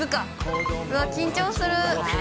うわ、緊張する。